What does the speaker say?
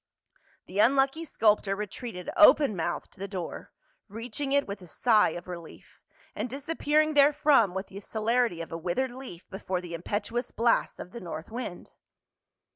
The unlucky sculptor retreated open mouthed to the door, reaching it with a sigh of relief, and disap pearing therefrom with the celerity of a withered leaf before the impetuous blasts of the north wind.